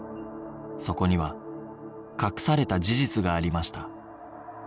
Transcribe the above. そこには隠された事実がありました